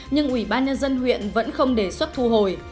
nhưng ubnd huyện vẫn không đề xuất thu hồi